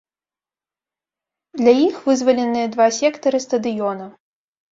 Для іх вызваленыя два сектары стадыёна.